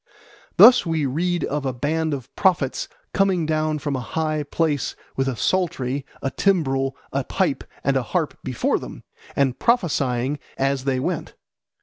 Thus we read of a band of prophets coming down from a high place with a psaltery, a timbrel, a pipe, and a harp before them, and prophesying as they went.